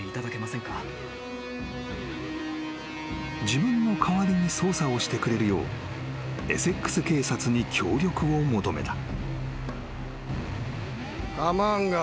［自分の代わりに捜査をしてくれるようエセックス警察に協力を求めた］